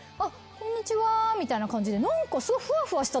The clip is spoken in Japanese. こんにちはみたいな感じで何か。